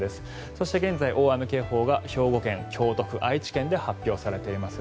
そして現在、大雨警報が兵庫県、京都府、愛知県で発表されています。